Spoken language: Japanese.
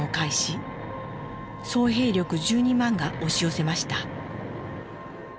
総兵力１２万が押し寄せました。